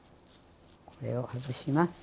これを外します。